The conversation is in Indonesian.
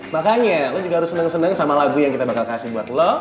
makanya lo juga harus seneng seneng sama lagu yang kita bakal kasih buat lo